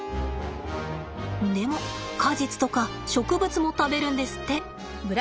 でも果実とか植物も食べるんですって。